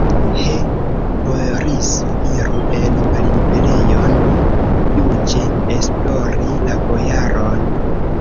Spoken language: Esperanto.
He, Boriso, iru en malliberejon juĝe esplori la bojaron!